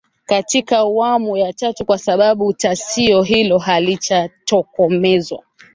katika awamu ya tatu kwa sababu tishio hilo halijatokomezwa